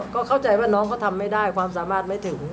ก็เข้าใจว่าน้องเขาทำไม่ได้ความสามารถไม่ถึง